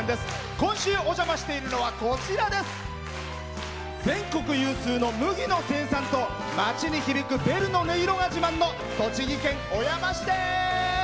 今週お邪魔しているのは全国有数の麦の生産と町に響くベルの音色が自慢の栃木県小山市です！